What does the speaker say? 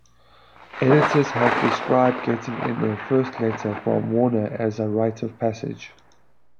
Editors have described getting their first letter from Warner as a rite of passage.